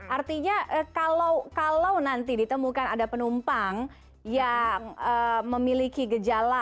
artinya kalau nanti ditemukan ada penumpang yang memiliki gejala